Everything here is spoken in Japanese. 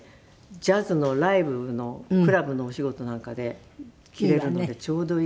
ジャズのライブのクラブのお仕事なんかで着れるのでちょうどいい。